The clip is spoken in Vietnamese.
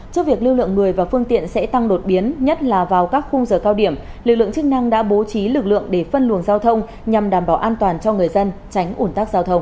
trước việc lưu lượng người và phương tiện sẽ tăng đột biến nhất là vào các khung giờ cao điểm lực lượng chức năng đã bố trí lực lượng để phân luồng giao thông nhằm đảm bảo an toàn cho người dân tránh ủn tắc giao thông